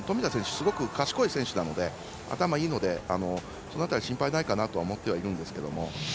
すごく賢い選手なので頭いいので、その辺りは心配ないかなと思ってはいるんですけど。